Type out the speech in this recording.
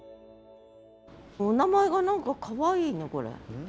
お名前が何かかわいいねこれ。